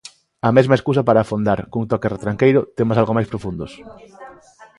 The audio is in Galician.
A mesma escusa para afondar, cun toque retranqueiro, temas algo máis profundos.